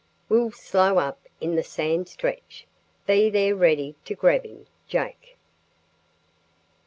Will slow up in the sand stretch. Be there ready to grab him. Jake."